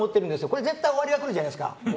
これ絶対終わりが来るじゃないですか